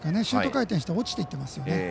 シュート回転して落ちていってますね。